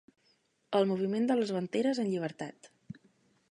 El moviment de les banderes en llibertat.